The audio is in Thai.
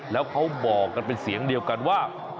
แล้วเขาบอกกันเป็นเสียงเดียวกันว่า